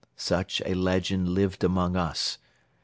Such a legend lived among us.